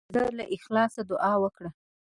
مېلمه ته د زړه له اخلاصه دعا وکړه.